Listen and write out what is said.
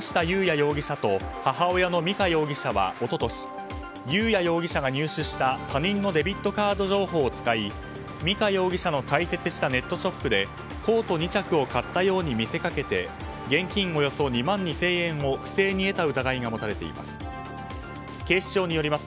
容疑者と母親の美香容疑者は一昨年、裕也容疑者が入手した他人のデビットカード情報を使い美香容疑者の開設したネットショップでコート２着を買ったように見せかけて現金およそ２万２０００円を不正に得た疑いが持たれています。